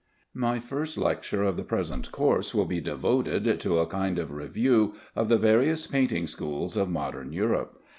My first lecture of the present course will be devoted to a kind of review of the various painting schools of modern Europe.